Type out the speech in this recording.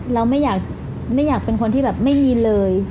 เราไม่อยากเป็นคนที่แบบไม่มีเลย